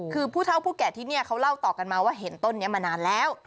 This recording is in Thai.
คือผู้เท่าผู้แก่ที่นี่เขาเล่าต่อกันมาว่าเห็นต้นนี้มานานแล้ว